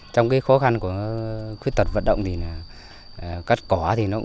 trong cái khó khăn của khuyết tật vận động thì là cắt cỏ